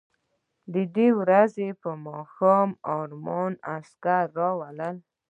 د دې ورځې په ماښام ارماني عکسونه راوړل.